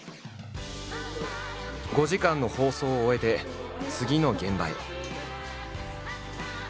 ５時間の放送を終えて次の現場へ。